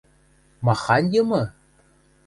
– Махань йымы?!